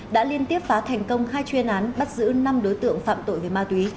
đã liên tiếp phá thành công hai chuyên án bắt giữ năm đối tượng phạm tội về ma túy